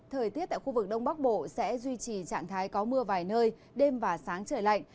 thời tiết tại khu vực đông bắc bộ sẽ duy trì trạng thái có mưa vài nơi đêm và sáng trời lạnh